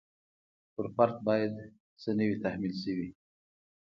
په فرد باید څه نه وي تحمیل شوي.